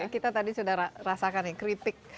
kita tadi sudah rasakan nih kritik